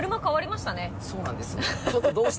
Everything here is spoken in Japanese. そうなんです